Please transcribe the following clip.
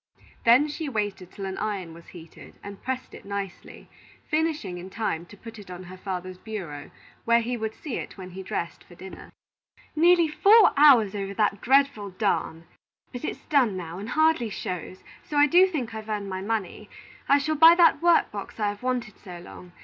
Then she waited till an iron was heated, and pressed it nicely, finishing in time to put it on her father's bureau, where he would see it when he dressed for dinner. "Nearly four hours over that dreadful darn! But it's done now, and hardly shows, so I do think I've earned my money. I shall buy that work box I have wanted so long.